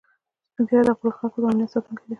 سپین ږیری د خپلو خلکو د امنیت ساتونکي دي